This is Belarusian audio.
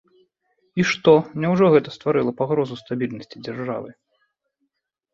І што, няўжо гэта стварыла пагрозу стабільнасці дзяржавы?